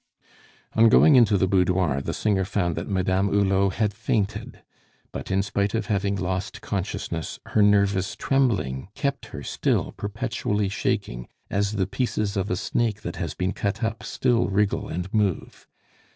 On going into the boudoir, the singer found that Madame Hulot had fainted; but in spite of having lost consciousness, her nervous trembling kept her still perpetually shaking, as the pieces of a snake that has been cut up still wriggle and move.